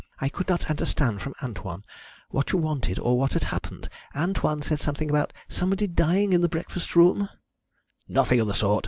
I could not understand from Antoine what you wanted or what had happened. Antoine said something about somebody dying in the breakfast room " "Nothing of the sort!"